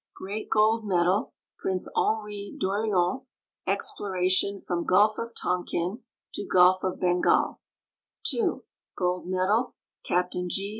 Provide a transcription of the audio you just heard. Great Gold Medal, Prince Henri d'Orleans, Exploration from gulf of Tonkin to gulf of Bengal ; 2. Gold Medal, Captain G.